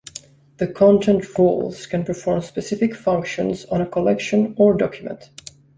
The content rules can perform specific functions on a collection or document.